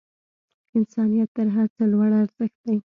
انسانیت تر هر څه لوړ ارزښت دی.